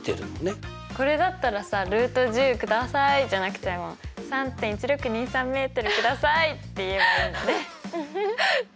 これだったらさくださいじゃなくても３．１６２３ｍくださいって言えばいいのね。